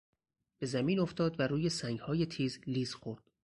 به زمین افتاد و روی سنگهای تیز لیز خورد.